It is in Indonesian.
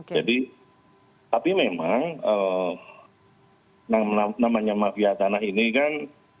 jadi tapi memang namanya mafia tanah ini kan